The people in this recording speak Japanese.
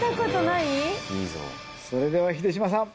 それでは秀島さん